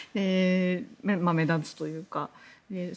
目立つというか。